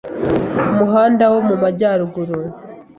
Umuhanda wo mu majyaruguru